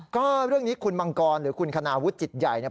ก็เรื่องนี้คุณมังกรหรือคุณคณาวุฒิจิตใหญ่เนี่ย